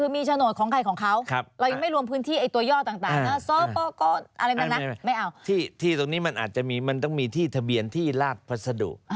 ไม่ที่นี่มันอาจจะมีมันต้องมีที่ทะเบียนที่ราฟรัสดุ